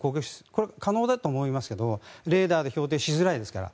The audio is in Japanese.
これ、可能だと思いますがレーダーで標的しづらいですから。